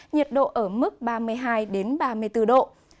nhiệt độ ở mức ba mươi hai ba mươi bốn độ